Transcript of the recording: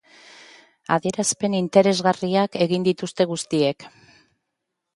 Adierazpen interesgarriak egin dituzte guztiek.